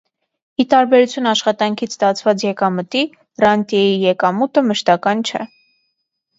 Ի տարբերություն աշխատանքից ստացված եկամտի, ռանտյեի եկամուտը մշտական չէ։